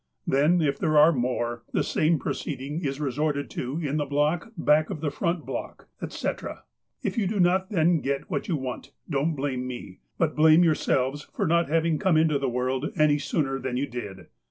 Then, if there are more, the same proceeding is resorted to in the block back of the front block, etc. If you do not then get what you want, don' t blame me. But blame yourselves for not having come into the world any sooner than you did."